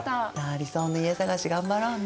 理想の家探し頑張ろうね！